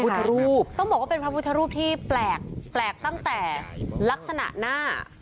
รูปต้องบอกว่าเป็นพระพุทธรูปที่แปลกแปลกตั้งแต่ลักษณะหน้า